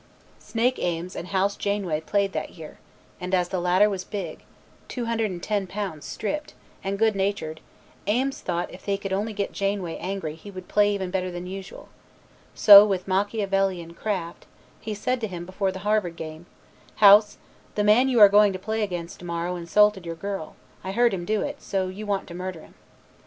Snake Ames and House Janeway played that year, and as the latter was big 210 pounds stripped and good natured, Ames thought that if he could only get Janeway angry he would play even better than usual, so, with Machiavellian craft, he said to him before the Harvard game, "House, the man you are going to play against to morrow insulted your girl. I heard him do it, so you want to murder him."